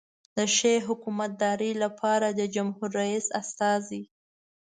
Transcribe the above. د ښې حکومتدارۍ لپاره د جمهور رئیس استازی.